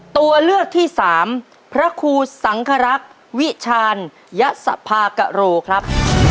ตัวเลือกที่สามพระครูสังครักษ์วิชาญยสภากโรครับ